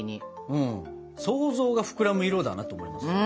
うん想像が膨らむ色だなと思いますね。